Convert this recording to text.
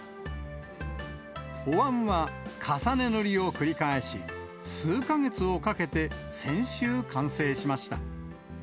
おわんは重ね塗りを繰り返し、数か月をかけて、先週完成しました。